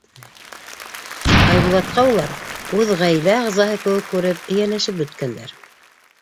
Айбулатҡа улар, үҙ ғаилә ағзаһы кеүек күреп, эйәләшеп бөткәндәр.